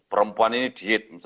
perempuan ini diet